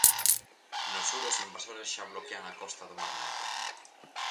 No sur os invasores xa bloquean a costa do mar Negro.